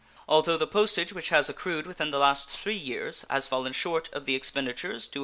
Although the postage which has accrued within the last three years has fallen short of the expenditures $262,821.